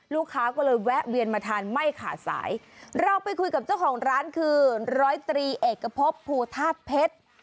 ลูกค้าก็เลยแวะเวียนมาทานไม่ขาดสายเราไปคุยกับเจ้าของร้านคือร้อยตรีเอกพบภูธาตุเพชร